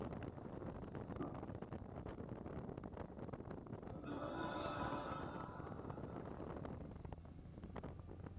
En la Ciudad Condal cursó estudios de Derecho y Filosofía y Letras.